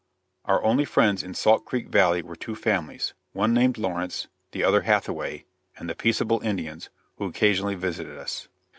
Our only friends in Salt Creek valley were two families; one named Lawrence, the other Hathaway, and the peaceable Indians, who occasionally visited us.